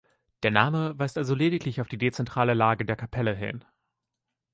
Der Name weist also lediglich auf die dezentrale Lage der Kapelle hin.